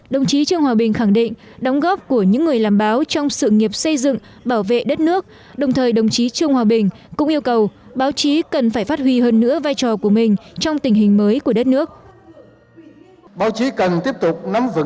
đồng chí trương hòa bình khẳng định đóng góp của những người làm báo trong sự nghiệp xây dựng bảo vệ đất nước đồng thời đồng chí trương hòa bình cũng yêu cầu báo chí cần phải phát huy hơn nữa vai trò của mình trong tình hình mới của đất nước